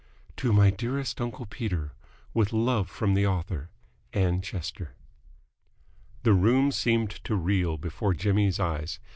"To my dearest uncle Peter, with love from the author, Ann Chester." The room seemed to reel before Jimmy's eyes.